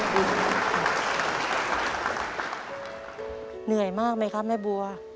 เหนื่อยมากไหมครับแม่บัว